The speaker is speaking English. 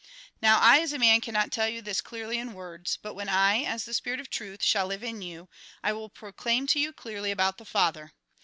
Now I, as a man, cannot tell you this clearly in words, but when I, as the spirit of truth, shall live in you, I will proclaim to you clearly about the Father.